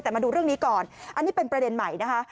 แต่มาดูเรื่องนี้ก่อนอันนี้เป็นประเด็นใหม่นะคะ